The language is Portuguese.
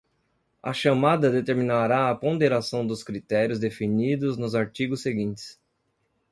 A chamada determinará a ponderação dos critérios definidos nos artigos seguintes.